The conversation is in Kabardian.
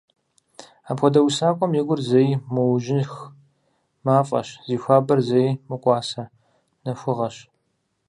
Апхуэдэ усакӀуэм и гур зэи мыужьых мафӀэщ, зи хуабэр зэи мыкӀуасэ нэхугъэщ.